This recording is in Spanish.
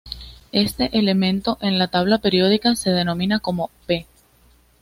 Este elemento en la tabla periódica se denomina como "P".